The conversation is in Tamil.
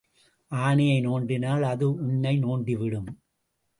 ஆனையை நோண்டினால் அது உன்னை நோண்டிவிடும்.